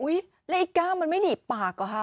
อิ๊กก้ามันไม่เหนียบปากหรอฮะ